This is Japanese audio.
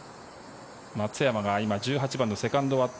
松山が今、１８番のセカンド終わって